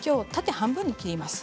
半分に切りますね。